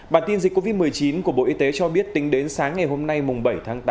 bản tin dịch covid một mươi chín của bộ y tế cho biết tính đến sáng ngày hôm nay bảy tháng tám